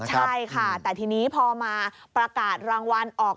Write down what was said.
ใช่ค่ะแต่ทีนี้พอมาประกาศรางวัลออก